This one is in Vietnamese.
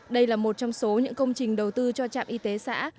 đây là một trong số những công trình đầu tư cho trạm y tế xã